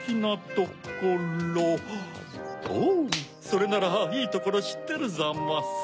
それならいいところしってるザマス。